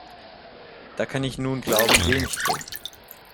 Da kann ich nun glauben, wem ich will.